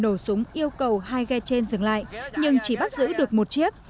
nổ súng yêu cầu hai ghe trên dừng lại nhưng chỉ bắt giữ được một chiếc